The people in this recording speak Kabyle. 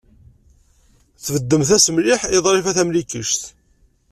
Tbeddem-as mliḥ i Ḍrifa Tamlikect.